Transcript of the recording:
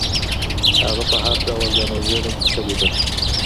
هغه په هر ډول ځان وژنه کي څه ليدل؟